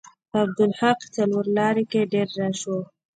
عبدالحق څلور لارې کې ډیر رش و.